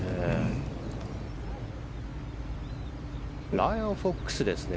ライアン・フォックスですね。